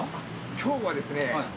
今日はですね